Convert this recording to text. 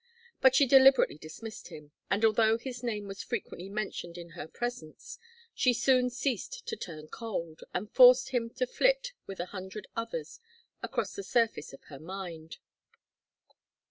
But she deliberately dismissed him, and although his name was frequently mentioned in her presence, she soon ceased to turn cold, and forced him to flit with a hundred others across the surface of her mind.